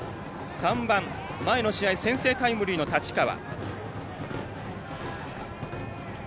３番、前の試合先制タイムリーの太刀川。